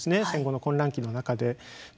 戦後の混乱期の中で。